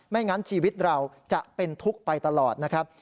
งั้นชีวิตเราจะเป็นทุกข์ไปตลอดนะครับ